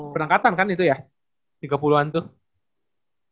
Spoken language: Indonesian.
penangkatan kan itu ya tiga puluh an tuh